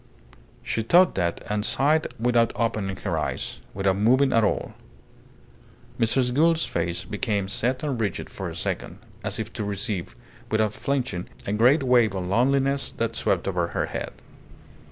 She thought that, and sighed without opening her eyes without moving at all. Mrs. Gould's face became set and rigid for a second, as if to receive, without flinching, a great wave of loneliness that swept over her head.